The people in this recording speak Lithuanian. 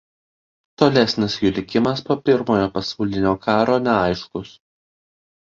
Tolesnis jų likimas po Pirmojo pasaulinio karo neaiškus.